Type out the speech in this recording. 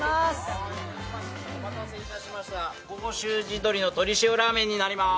お待たせしました、甲州地どりの鶏塩ラーメンになります。